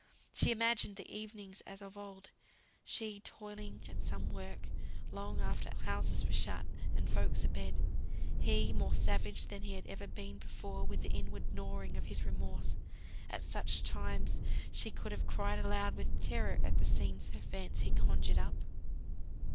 She imagined the evenings as of old: she, toiling at some work, long after houses were shut, and folks abed; he, more savage than he had ever been before with the inward gnawing of his remorse. At such times she could have cried aloud with terror, at the scenes her fancy conjured up.